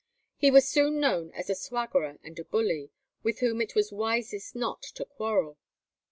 He was soon known as a swaggerer and a bully, with whom it was wisest not to quarrel.